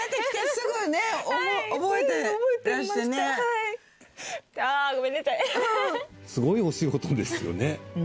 すごいお仕事ですよね。